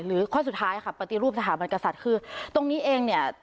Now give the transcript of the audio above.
ข้อสุดท้ายค่ะปฏิรูปสถาบันกษัตริย์คือตรงนี้เองเนี่ย